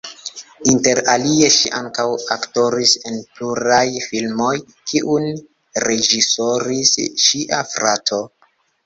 Inter alie ŝi ankaŭ aktoris en pluraj filmoj kiujn reĝisoris ŝia frato.